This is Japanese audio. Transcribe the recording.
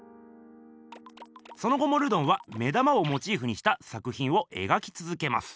その後もルドンは目玉をモチーフにした作ひんを描きつづけます。